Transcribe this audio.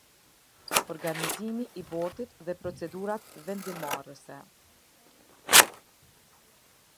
Organizimi i Bordit dhe procedurat vendimmarrëse.